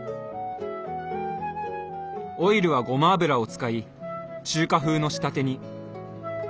オイルはごま油を使い中華風の仕立てに。